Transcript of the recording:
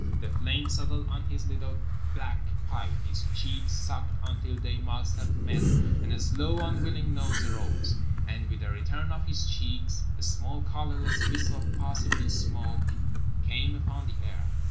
The flame settled on his little black pipe, his cheeks sucked until they must have met, and a slow unwilling noise arose, and with the return of his cheeks a small colorless wisp of possibly smoke came upon the air.